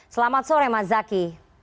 selamat sore mas zaki